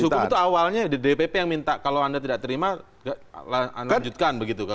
jadi proses hukum itu awalnya dpp yang minta kalau anda tidak terima anda lanjutkan begitu kan